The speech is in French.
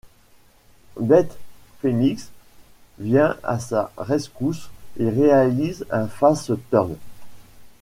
Beth Phoenix vient à sa rescousse et réalise un face-turn.